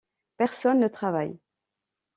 Personne ne travaille.